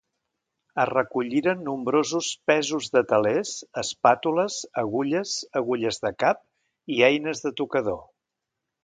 Es recolliren nombrosos pesos de telers, espàtules, agulles, agulles de cap i eines de tocador.